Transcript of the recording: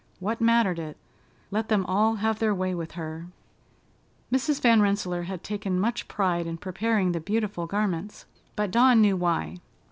What mattered it? Let them all have their way with her. Mrs. Van Rensselaer had taken much pride in preparing the beautiful garments, but Dawn knew why.